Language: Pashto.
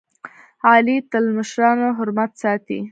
علي تل د مشرانو حرمت ساتي.